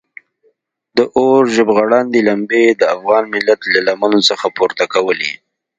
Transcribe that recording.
د اور ژبغړاندې لمبې د افغان ملت له لمنو څخه پورته کولې.